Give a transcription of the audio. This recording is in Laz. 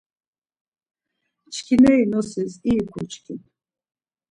Çkineri ğnosis iri kuçkin.